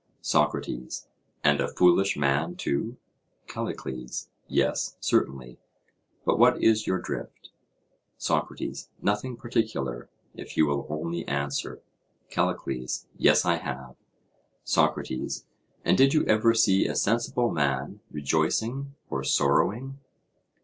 SOCRATES: And a foolish man too? CALLICLES: Yes, certainly; but what is your drift? SOCRATES: Nothing particular, if you will only answer. CALLICLES: Yes, I have. SOCRATES: And did you ever see a sensible man rejoicing or sorrowing?